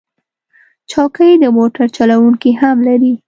چوکۍ د موټر چلونکي هم لري.